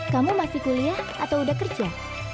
kamu masih kuliah atau udah kerja